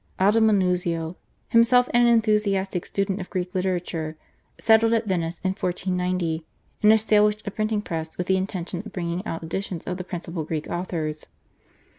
Aldo Manuzio, himself an enthusiastic student of Greek literature, settled at Venice in 1490, and established a printing press with the intention of bringing out editions of the principal Greek authors.